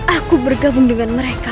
aku bergabung dengan mereka